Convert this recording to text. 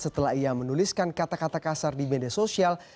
setelah ia menuliskan kata kata kasar di media sosial